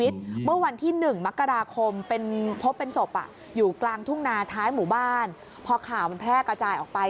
ทุ่งนานท้ายหมู่บ้านพอข่าวมันแพร่กระจายออกไป